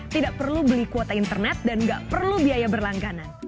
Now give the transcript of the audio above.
tidak perlu beli kuota internet dan nggak perlu biaya berlangganan